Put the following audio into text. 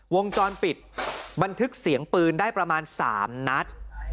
วงจรปิดบันทึกเสียงปืนได้ประมาณ๓นัด